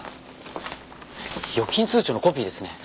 預金通帳のコピーですね。